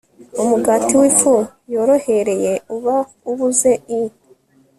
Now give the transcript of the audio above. Umugati wifu yorohereye uba ubuze i